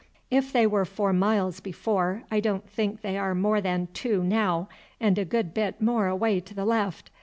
"If they were four miles before I don't think they are more than two now, and a good bit more away to the left.